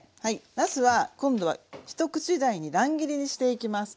なすは今度は一口大に乱切りにしていきます。